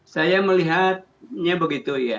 saya melihatnya begitu ya